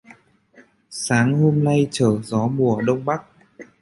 Sáng hôm nay trở gió mùa Đông Bắc